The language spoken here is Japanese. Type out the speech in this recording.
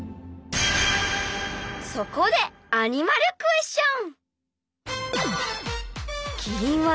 そこでアニマルクエスチョン。